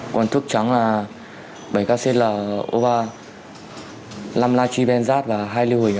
còn thuốc trắng là bảy kclo ba năm lachybenzad và hai liu hủy